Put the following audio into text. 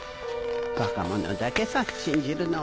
バカ者だけさ信じるのは。